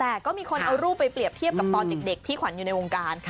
แต่ก็มีคนเอารูปไปเปรียบเทียบกับตอนเด็กที่ขวัญอยู่ในวงการ